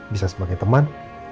bisa sebagai teman